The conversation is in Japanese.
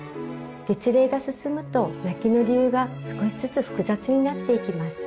月齢が進むと泣きの理由が少しずつ複雑になっていきます。